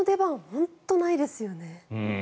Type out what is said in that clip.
本当にないですよね。